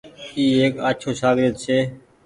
اي ايڪ آڇو ساگرد ڇي۔